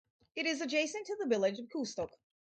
It is adjacent to the village of Kewstoke.